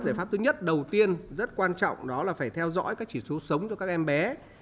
giải pháp thứ nhất đầu tiên rất quan trọng đó là phải theo dõi các chỉ số sống cho các em bé